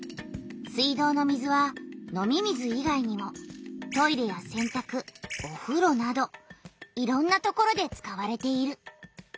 水道の水は飲み水いがいにもトイレやせんたくおふろなどいろんなところで使われている。